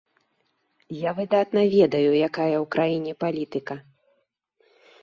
Я выдатна ведаю, якая ў краіне палітыка.